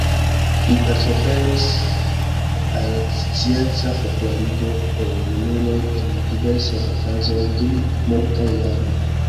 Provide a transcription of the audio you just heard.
Li partoprenis al scienca popularigo por junuloj en diversaj okazoj dum multaj jaroj.